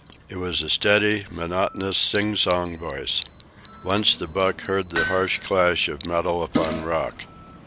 It was a steady, monotonous, singsong voice. Once the buck heard the harsh clash of metal upon rock.